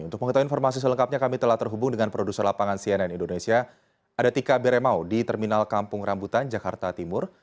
untuk mengetahui informasi selengkapnya kami telah terhubung dengan produser lapangan cnn indonesia ada tika beremau di terminal kampung rambutan jakarta timur